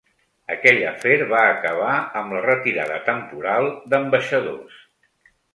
Aquell afer va acabar amb la retirada temporal d’ambaixadors.